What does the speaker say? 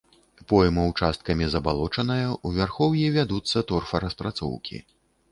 Пойма ўчасткамі забалочаная, у вярхоўі вядуцца торфараспрацоўкі.